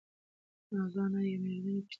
نازو انا یوه مېړنۍ پښتنه وه.